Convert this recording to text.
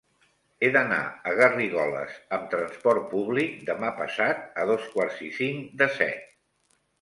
He d'anar a Garrigoles amb trasport públic demà passat a dos quarts i cinc de set.